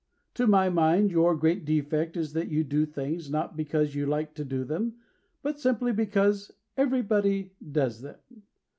To my mind, your great defect is that you do things Not because you like to do them, But simply because Everybody does them.